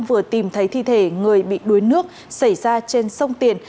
vừa tìm thấy thi thể người bị đuối nước xảy ra trên sông tiền